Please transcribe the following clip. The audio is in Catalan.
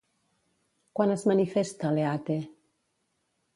Quan es manifesta, l'Eate?